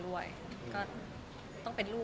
เดี๋ยวมันจะเครียดเปล่า